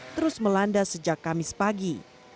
terus melanda sejak kamis pagi